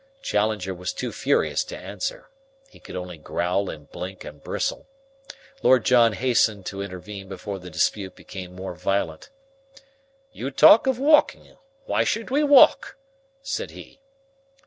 Challenger was too furious to answer. He could only growl and blink and bristle. Lord John hastened to intervene before the dispute became more violent. "You talk of walking. Why should we walk?" said he.